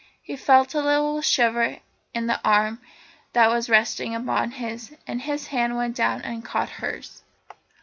He felt a little shiver in the arm that was resting upon his, and his hand went down and caught hers.